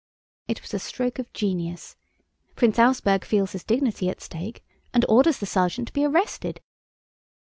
It was a stroke of genius. Prince Auersperg feels his dignity at stake and orders the sergeant to be arrested.